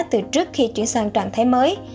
từ trước khi chuyển sang trạng thái mới